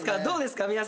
どうですか？